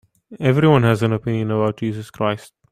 Everyone has an opinion about Jesus Christ.